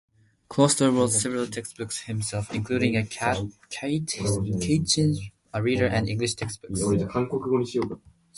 Kloster wrote several textbooks himself, including a catechism, a reader and English textbooks.